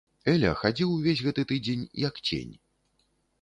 Эля хадзіў увесь гэты тыдзень, як цень.